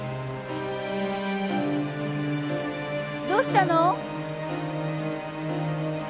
どうしたの？